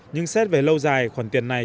nhưng xét về lâu dài khoản tiền này